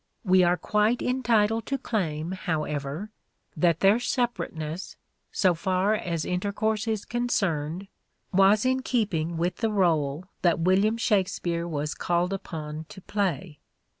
We are quite entitled to claim, however, that their separateness, so far as intercourse is concerned, was in keeping with the role that William Shakspere was called upon to play.